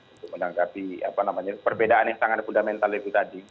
untuk menanggapi perbedaan yang sangat fundamental itu tadi